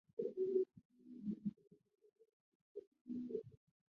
也是该领域教科书作者。